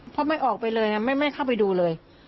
เพราะไม่ออกไปเลยไม่เข้าไปดูเลย